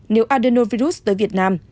nếu adenovirus tới việt nam